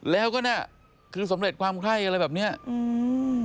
แล้วก็เนี้ยคือสำเร็จความไข้อะไรแบบเนี้ยอืม